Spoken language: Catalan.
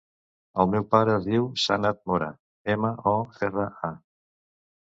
El meu pare es diu Sanad Mora: ema, o, erra, a.